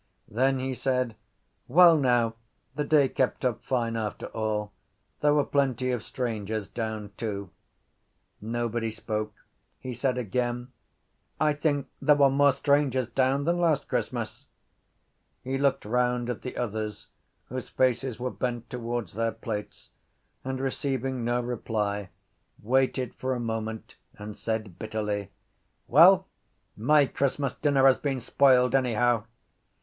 Then he said: —Well now, the day kept up fine after all. There were plenty of strangers down too. Nobody spoke. He said again: —I think there were more strangers down than last Christmas. He looked round at the others whose faces were bent towards their plates and, receiving no reply, waited for a moment and said bitterly: —Well, my Christmas dinner has been spoiled anyhow.